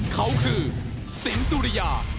เขาคือสิงสุริยา